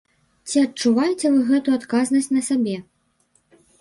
Ці адчуваеце вы гэту адказнасць на сабе?